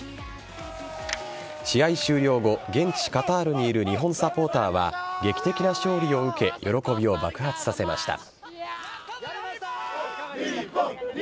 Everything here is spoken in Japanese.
試合終了後現地・カタールにいる日本サポーターは劇的な勝利を受け喜びを爆発させました。